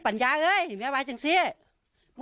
ภรรยาก็บอกว่านายเทวีอ้างว่าไม่จริงนายทองม่วนขโมย